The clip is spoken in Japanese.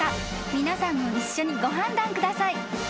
［皆さんも一緒にご判断ください］